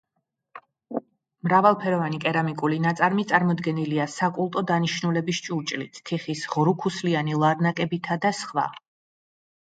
მრავალფეროვანი კერამიკული ნაწარმი წარმოდგენილია საკულტო დანიშნულების ჭურჭლით, თიხის ღრუქუსლიანი ლარნაკებითა და სხვა.